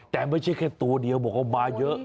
แต่ไม่ใช่แค่ตัวเดียวบอกว่ามาเยอะ